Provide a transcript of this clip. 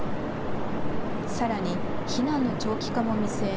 さらに避難の長期化も見据え